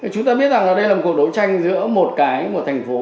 chúng ta biết rằng đây là một cuộc đấu tranh giữa một thành phố